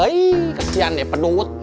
kesian deh pedut